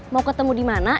mau ketemu di mana